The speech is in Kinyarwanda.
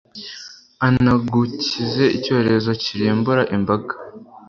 anagukize icyorezo kirimbura imbaga